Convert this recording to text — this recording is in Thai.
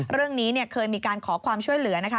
เรื่องนี้เคยมีการขอความช่วยเหลือนะคะ